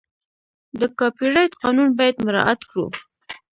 د کاپي رایټ قانون باید مراعت کړو.